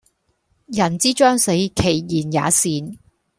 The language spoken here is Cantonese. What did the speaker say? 人之將死其言也善